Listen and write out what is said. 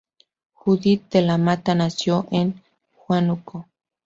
Judith de la Mata nació en Huánuco.